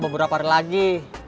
beberapa hari lagi